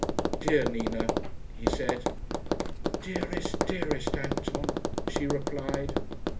"Dear Nina," he said. "Dearest, dearest Anton," she replied.